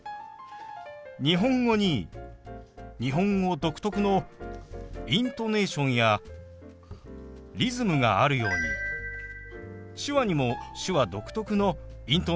日本語に日本語独特のイントネーションやリズムがあるように手話にも手話独特のイントネーションやリズムがあります。